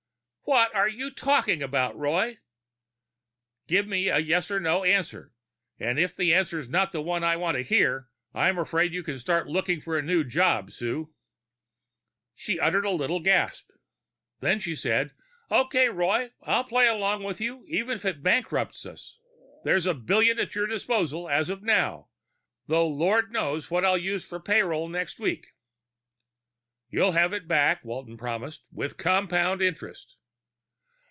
"What are you talking about, Roy?" "Give me a yes or no answer. And if the answer's not the one I want to hear, I'm afraid you can start looking for a new job, Sue." She uttered a little gasp. Then she said, "Okay, Roy. I'll play along with you, even if it bankrupts us. There's a billion at your disposal as of now, though Lord knows what I'll use for a payroll next week." "You'll have it back," Walton promised. "With compound interest."